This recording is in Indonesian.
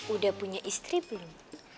udah punya istri belum